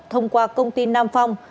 thông qua công ty nam phong